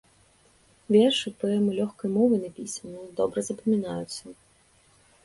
Вершы, паэмы лёгкай мовай напісаныя, добра запамінаюцца.